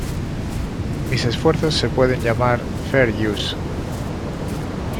Mis esfuerzos se pueden llamar 'fair use'".